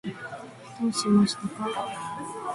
どうしましたか？